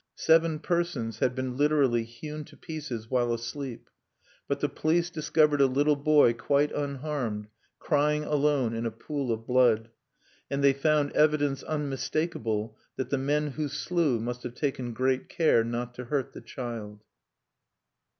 Seven persons had been literally hewn to pieces while asleep; but the police discovered a little boy quite unharmed, crying alone in a pool of blood; and they found evidence unmistakable that the men who slew must have taken great care not to hurt the child.